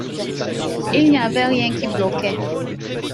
Il n’y avait rien qui bloquait.